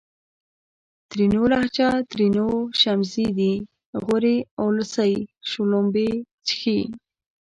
ترينو لهجه ! ترينو : شمزې دي غورې اولسۍ :شلومبې چښې